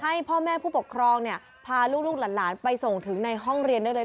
ให้พ่อแม่ผู้ปกครองเนี่ยพาลูกหลานไปส่งถึงในห้องเรียนได้เลย